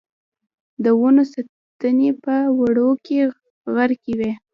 د ونو تنې په دوړو کې غرقي وې.